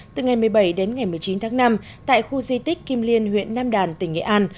từ ngày một mươi bảy đến ngày một mươi chín tháng năm tại khu di tích kim liên huyện nam đàn tỉnh nghệ an